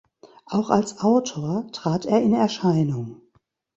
Auch als Autor trat er in Erscheinung.